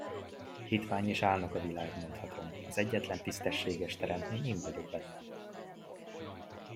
Hitvány és álnok a világ, mondhatom, az egyetlen tisztességes teremtmény én vagyok benne.